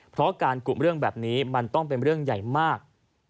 เพราะการกุเรื่องแบบนี้มันต้องเป็นเรื่องใหญ่มาก